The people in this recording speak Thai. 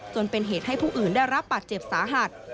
จนเป็นเหตุให้ผู้อื่นได้รับบาดเจ็บสาหัส